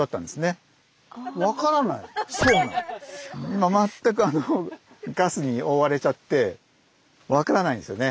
今全くガスに覆われちゃって分からないんですよね。